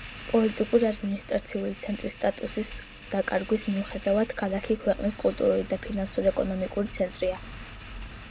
პოლიტიკურ-ადმინისტრაციული ცენტრის სტატუსის დაკარგვის მიუხედავად, ქალაქი ქვეყნის კულტურული და ფინანსურ-ეკონომიკური ცენტრია.